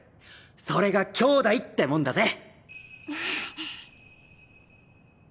それが兄弟ってもんだぜ。